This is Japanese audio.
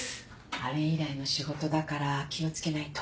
あれ以来の仕事だから気を付けないと。